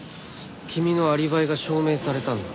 君のアリバイが証明されたんだ。